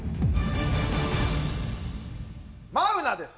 マウナです。